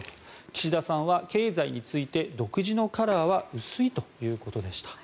岸田さんは経済について独自のカラーは薄いということでした。